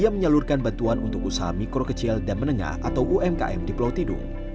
yang menjelurkan bantuan untuk usaha mikro kecil dan menengah atau umkm di pelautidung